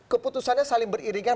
keputusannya saling beriringan